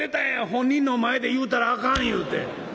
『本人の前で言うたらあかん』